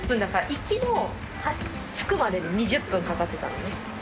行きも着くまでに２０分かかってたのね。